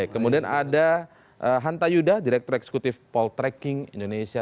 kemudian ada hanta yuda direktur eksekutif poltreking indonesia